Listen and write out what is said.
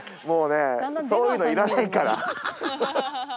もうねそういうのいらないから。